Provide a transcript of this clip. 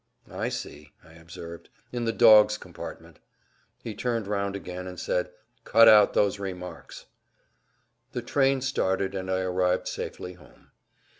"I see," I observed; "in the dogs' compartment." He turned round again and said, "Cut out those remarks." The train started, and I arrived safely home.